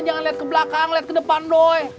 jangan lihat ke belakang lihat ke depan dong